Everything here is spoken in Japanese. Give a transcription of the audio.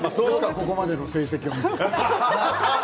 ここまでの成績を見て。